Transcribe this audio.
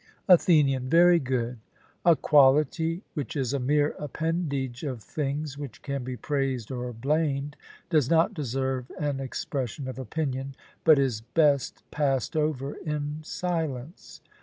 ATHENIAN: Very good; a quality, which is a mere appendage of things which can be praised or blamed, does not deserve an expression of opinion, but is best passed over in silence.